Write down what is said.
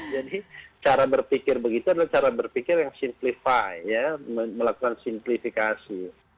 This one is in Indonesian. jadi cara berpikir begitu adalah cara berpikir yang simplifai melakukan simplifikasi